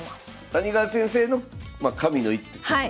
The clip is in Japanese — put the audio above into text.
谷川先生の神の一手的な。